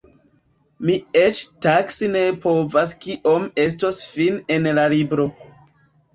Mi eĉ taksi ne povas kiom estos fine en la libro.